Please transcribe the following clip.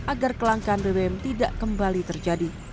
agar kelangkaan bbm tidak kembali terjadi